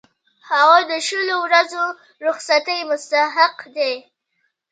هغه د شلو ورځو رخصتۍ مستحق دی.